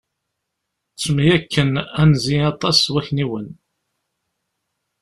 Ttemyakken anzi aṭas wakniwen.